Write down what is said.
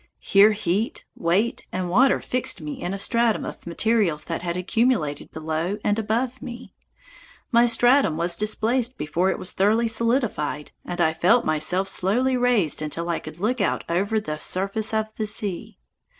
Here heat, weight, and water fixed me in a stratum of materials that had accumulated below and above me. My stratum was displaced before it was thoroughly solidified, and I felt myself slowly raised until I could look out over the surface of the sea.